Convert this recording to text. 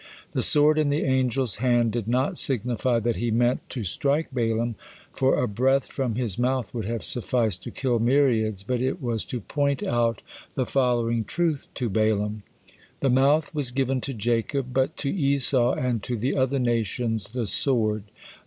The sword in the angel's hand did not signify that he meant to strike Balaam, for a breath from his mouth would have sufficed to kill myriads, but it was to point out the following truth to Balaam: "The mouth was given to Jacob, but to Esau and to the other nations, the sword.